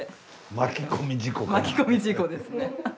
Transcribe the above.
巻き込み事故ですね。